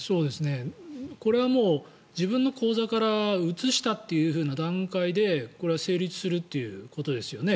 これは自分の口座から移したという段階でこれは成立するということですよね